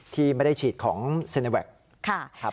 ที่ไม่ได้ฉีดของเซเนแวค